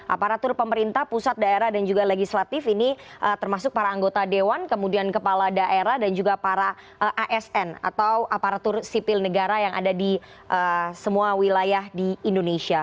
aparatur pemerintah pusat daerah dan juga legislatif ini termasuk para anggota dewan kemudian kepala daerah dan juga para asn atau aparatur sipil negara yang ada di semua wilayah di indonesia